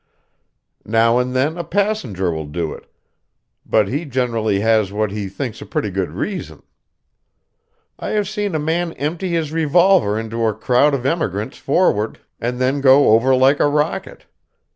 Now and then a passenger will do it, but he generally has what he thinks a pretty good reason. I have seen a man empty his revolver into a crowd of emigrants forward, and then go over like a rocket.